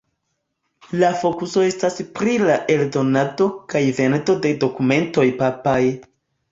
La fokuso estas pri la eldonado kaj vendo de dokumentoj papaj.